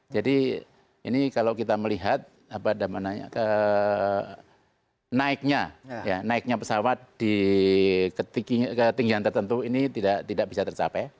jadi ini kalau kita melihat apa namanya ke naiknya ya naiknya pesawat di ketinggian tertentu ini tidak bisa tercapai